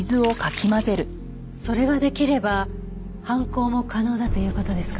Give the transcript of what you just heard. それができれば犯行も可能だという事ですか？